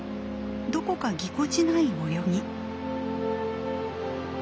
どこかぎこちない泳ぎ。